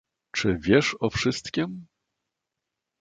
"Czy wiesz o wszystkiem?"